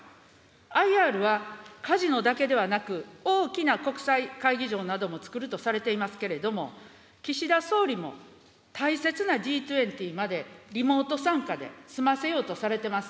ＩＲはカジノだけではなく、大きな国際会議場などもつくるとされていますけれども、岸田総理も大切なＧ２０までリモート参加で済ませようとされてます。